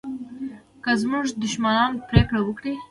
که زموږ دښمنان پرېکړه وکړي